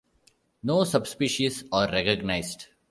No subspecies are recognized.